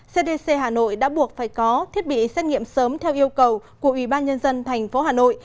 cdc hà nội đã buộc phải có thiết bị xét nghiệm sớm theo yêu cầu của ubnd tp hà nội